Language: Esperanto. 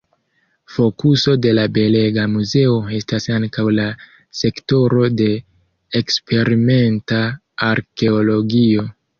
Fokuso de la belega muzeo estas ankaŭ la sektoro de eksperimenta arkeologio.